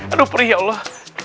aduh perih ya allah